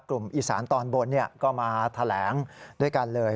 กลุ่มอีสานตอนบนก็มาแถลงด้วยกันเลย